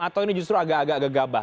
atau ini justru agak agak gegabah